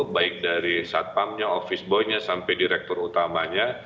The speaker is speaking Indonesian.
baik dari satpamnya office boy nya sampai direktur utamanya